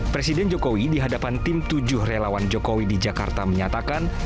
presiden jokowi di hadapan tim tujuh relawan jokowi di jakarta menyatakan